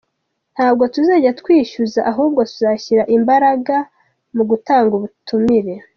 Ntabwo tuzajya twishyuza ahubwo tuzashyira imbaraga mu gutanga ubutumire.